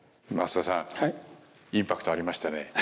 増田さんインパクトありましたね。